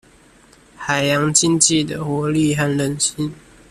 海洋經濟的活力和靭性